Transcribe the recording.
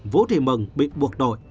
vũ thị mừng bị buộc đội